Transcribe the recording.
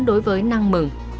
đối với năng mừng